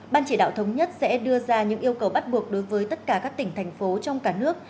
ban chỉ đạo thống nhất sẽ đưa ra những yêu cầu bắt buộc đối với tất cả các tỉnh thành phố trong cả nước